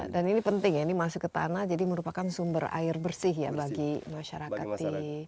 dan ini penting ya ini masuk ke tanah jadi merupakan sumber air bersih ya bagi masyarakat